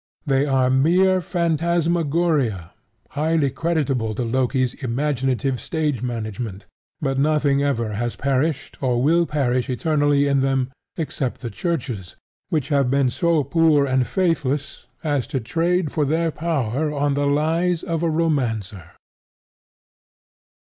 They are mere phantasmagoria, highly creditable to Loki's imaginative stage management; but nothing ever has perished or will perish eternally in them except the Churches which have been so poor and faithless as to trade for their power on the lies of a romancer.